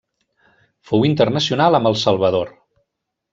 Fou internacional amb El Salvador.